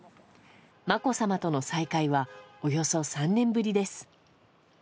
まこさまとの再会はおよそ３年ぶりです。